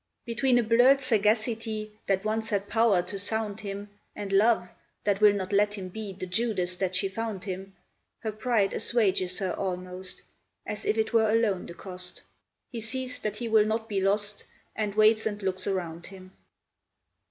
Between a blurred sagacity That once had power to sound him, And Love, that will not let him be The Judas that she found him, Her pride assuages her almost, As if it were alone the cost. He sees that he will not be lost, And waits and looks around him.